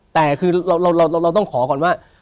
แต่คือเราต้องขอก่อนว่า